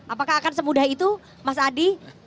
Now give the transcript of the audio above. apakah akan semudah itu mas adi